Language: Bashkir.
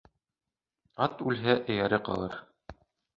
Ат үлһә, эйәре ҡалыр.